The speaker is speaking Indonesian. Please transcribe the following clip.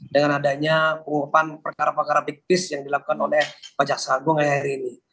dengan adanya pengungkapan perkara perkara big piece yang dilakukan oleh bajak saga ngayak hari ini